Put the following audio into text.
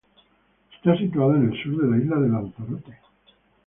Está situado en el sur de la isla de Lanzarote.